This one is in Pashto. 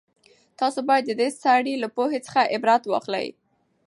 تاسو بايد د دې سړي له پوهې څخه عبرت واخلئ.